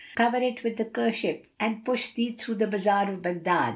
Cover it with a kerchief and push thee through the bazar of Baghdad.